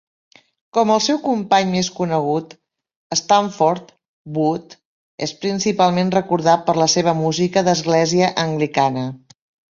Com el seu company més conegut, Stanford, Wood és principalment recordat per la seva música d'església anglicana.